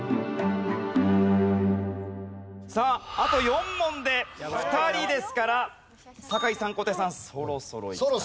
さああと４問で２人ですから酒井さん小手さんそろそろいきたい。